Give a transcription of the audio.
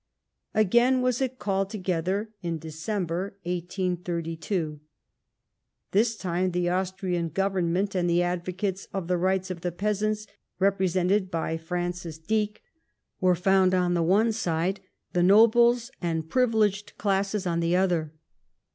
Again was it called together in December, 1832. This time the Austrian Government and the advocates of the rights of the peasants, represented by Francis Deak, were found on the one side, the nobles and privileged classes on the other.